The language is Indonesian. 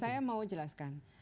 saya mau jelaskan